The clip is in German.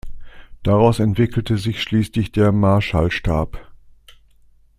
Daraus entwickelte sich schließlich der Marschallstab.